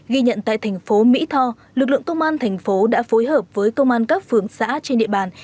ghi nhận tại thành phố mỹ tho lực lượng công an thành phố đã phối hợp với công an các phường xã trên địa bàn